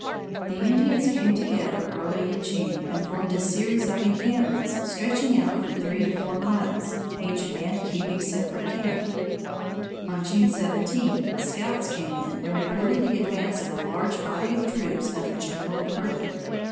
The Indians came together early in June, and formed a series of encampments stretching out from three to four miles, each band keeping separate camp. On June 17, scouts came in and reported the advance of a large body of troops under General Crook.